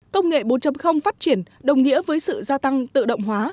công nghệ bốn phát triển đồng nghĩa với sự gia tăng tự động hóa